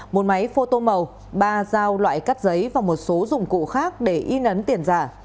một máy phô tô màu ba dao loại cắt giấy và một số dụng cụ khác để in ấn tiền giả